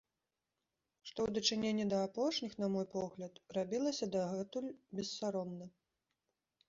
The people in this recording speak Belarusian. Што ў дачыненні да апошніх, на мой погляд, рабілася дагэтуль бессаромна.